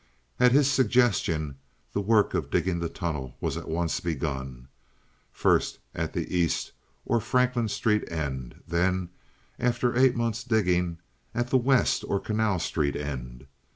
At his suggestion the work of digging the tunnel was at once begun—first at the east or Franklin Street end; then, after eight months' digging, at the west or Canal Street end.